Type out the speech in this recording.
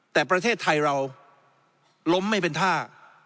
แต่ประเทศไทยเราล้มไม่เป็นท่า